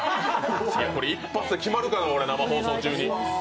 これ一発で決まるか、生放送中に。